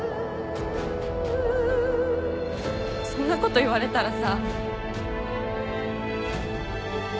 そんなこと言われたらさ。